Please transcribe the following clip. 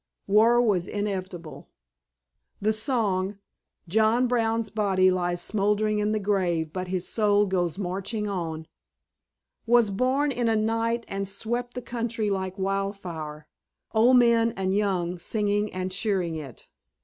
War was inevitable. The song, "John Brown's body lies mouldering in the grave, But his soul goes marching on," was born in a night and swept the country like wildfire, old men and young singing and cheering it.